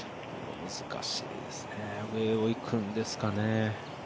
難しいですね、上をいくんですかね。